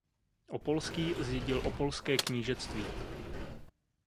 Opolský zdědil Opolské knížectví.